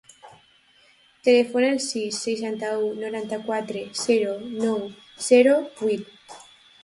Telefona al sis, seixanta-u, noranta-quatre, zero, nou, zero, vuit.